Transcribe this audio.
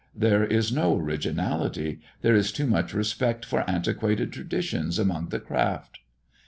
There is no originality. There is too much respect for antiquated traditions among the craft."